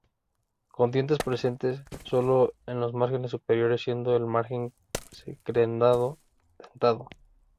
Con dientes presentes solo en los márgenes superiores, siendo el margen crenado-dentado.